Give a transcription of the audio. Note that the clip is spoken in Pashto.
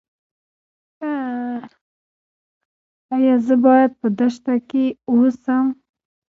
ایا زه باید په دښته کې اوسم؟